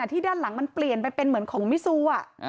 ที่ด้านหลังมันเปลี่ยนไปเป็นเหมือนของมิซู